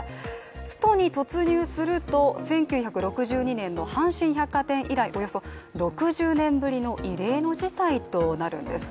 ストに突入すると１９６２年の阪神百貨店以来、およそ６０年ぶりの異例の事態となるんです。